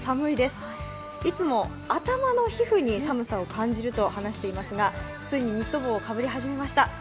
いつも頭の皮膚に寒さを感じると話していますがついにニット帽をかぶり始めました。